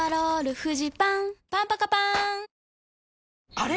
あれ？